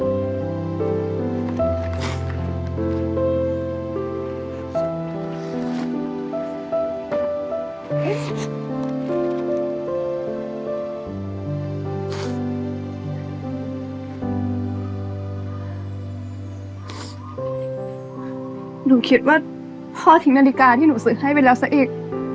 หนูคิดว่าพ่อทิ้งนาฬิกาที่หนูซื้อให้ไปแล้วซะอีก